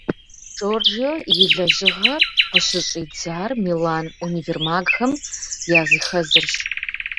Джорджио и лэжьыгъэр къыщыщӀидзар Милан универмагхэм языхэзырщ.